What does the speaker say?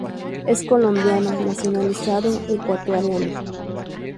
Es colombiano nacionalizado ecuatoriano.